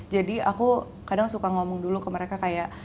jadi aku kadang suka ngomong dulu ke mereka kayak